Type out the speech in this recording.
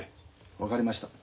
分かりました。